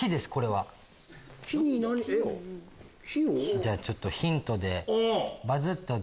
じゃあちょっとヒント。